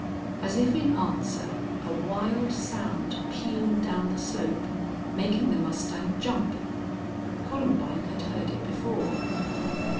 As if in answer a wild sound pealed down the slope, making the mustang jump. Columbine had heard it before.